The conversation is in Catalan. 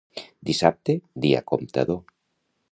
Dissabte, dia comptador.